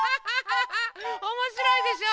おもしろいでしょ？